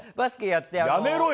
やめろよ！